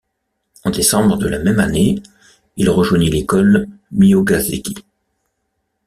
En décembre de la même année, il rejoignit l'école Mihogaseki.